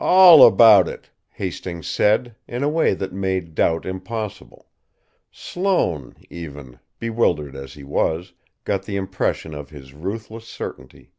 "All about it," Hastings said, in a way that made doubt impossible; Sloane, even, bewildered as he was, got the impression of his ruthless certainty.